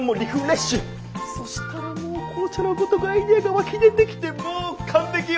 そしたらもう紅茶のごとくアイデアが湧き出てきてもう完璧よ。